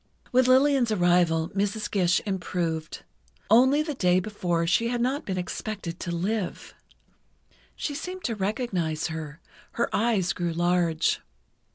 With Lillian's arrival Mrs. Gish improved. Only the day before she had not been expected to live. She seemed to recognize her—her eyes grew large.